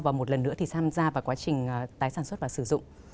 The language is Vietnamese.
và một lần nữa thì tham gia vào quá trình tái sản xuất và sử dụng